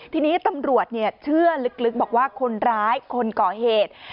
ทีนี้ตำรวจเชื่อลึกบอกว่าคนร้ายคนก่อเหตุ